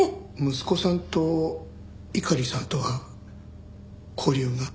息子さんと猪狩さんとは交流が？